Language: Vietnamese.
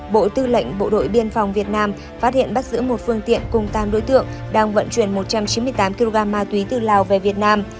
bộ tư lệnh bộ đội biên phòng việt nam phát hiện bắt giữ một phương tiện cùng tám đối tượng đang vận chuyển một trăm chín mươi tám kg ma túy từ lào về việt nam